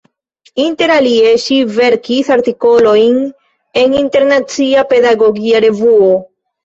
Interalie ŝi verkis artikolojn en "Internacia Pedagogia Revuo.